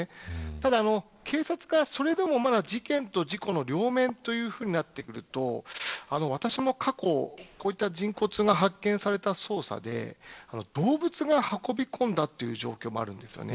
ただ、警察がそれでもまだ事件と事故の両面というふうになると私も過去こういった人骨が発見された捜査で動物が運び込んだという状況もあります。